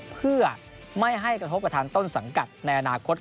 เพื่อไม่ให้กระทบกับทางต้นสังกัดในอนาคต